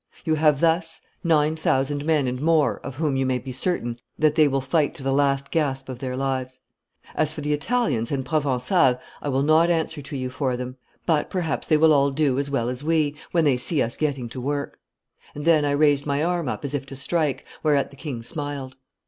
You have thus nine thousand men and more of whom you may be certain that they will fight to the last gasp of their lives. As for the Italians and Provencals, I will not answer to you for them; but perhaps they will all do as well as we, when they see us getting to work;' and then I raised my arm up, as if to strike, whereat the king smiled.